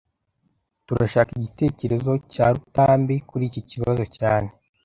Turashaka igitekerezo cya Rutambi kuri iki kibazo cyane